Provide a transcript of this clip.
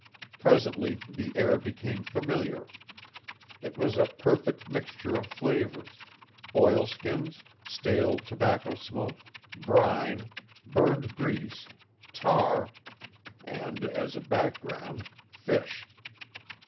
Presently the air became familiar. It was a perfect mixture of flavors; oilskins, stale tobacco smoke, brine, burned grease, tar, and, as a background, fish.